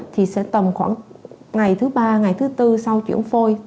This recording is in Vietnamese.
thì sẽ tầm khoảng ngày thứ ba ngày thứ tư sau chuyển phôi